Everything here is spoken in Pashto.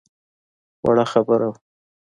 وړه خبره وه.